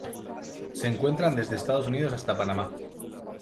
Se encuentran desde Estados Unidos hasta Panamá.